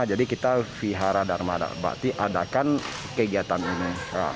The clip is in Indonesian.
jadi kita wihara dharma bakti adakan kegiatan ini